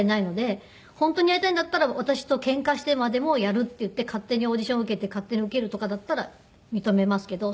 本当にやりたいんだったら私とケンカしてまでもやるって言って勝手にオーディションを受けて勝手に受けるとかだったら認めますけど。